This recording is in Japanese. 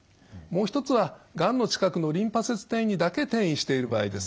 もう一つはがんの近くのリンパ節にだけ転移している場合です。